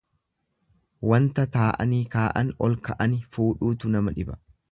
Wanta taa'ani kaa'an ol ka'ani fuudhutu nama dhiba.